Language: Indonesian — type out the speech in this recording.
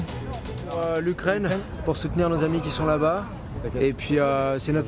kita datang ke ukraina untuk mendukung teman teman yang ada di sana